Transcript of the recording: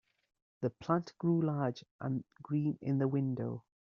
The plant grew large and green in the window.